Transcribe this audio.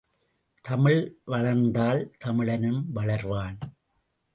தமிழ் வளர்ந்தால் தமிழனும் வளர்வான்!